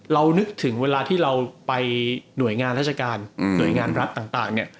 นึกถึงเวลาที่เราไปหน่วยงานราชการหน่วยงานรัฐต่างเนี่ย